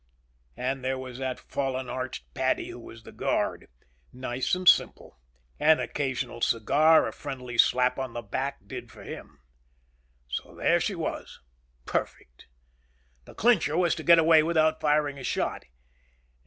And there was that fallen arched Paddy who was the guard. Nice and simple. An occasional cigar, a friendly slap on the back, did for him. So there she was. Perfect. The clincher was to get away without firing a shot.